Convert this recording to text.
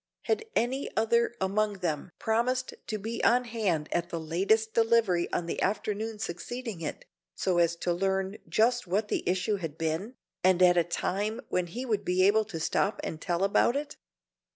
Had any other among them promised to be on hand at the latest delivery on the afternoon succeeding it, so as to learn just what the issue had been, and at a time when he would be able to stop and tell about it?